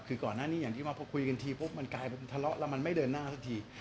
คือก่อนหน้านี้อย่างที่ว่าพอคุยกันทีปุ๊บมันกลายเป็นทะเลาะแล้วมันไม่เดินหน้าสักที